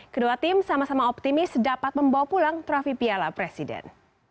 kedua tim sama sama optimis dapat membawa pulang trofi piala presiden